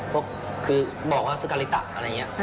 เพราะคือบอกว่าสกริตะอะไรอย่างเงี้ย